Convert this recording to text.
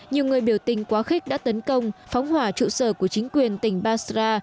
nhiều người biểu tình quá khích đã tấn công phóng hỏa trụ sở của chính quyền tỉnh basra